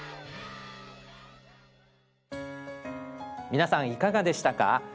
皆さんいかがでしたか？